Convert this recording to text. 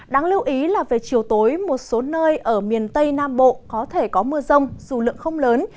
đáng lưu ý là về chiều tối một số nơi ở miền tây nam bộ có thể có mưa rông dù lượng không lớn